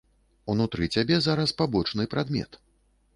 Унутры цябе зараз пабочны прадмет.